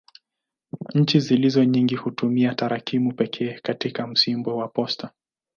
Nchi zilizo nyingi hutumia tarakimu pekee katika msimbo wa posta.